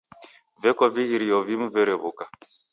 Veko vighirio vimu veruw'uka.